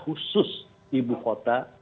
khusus ibu kota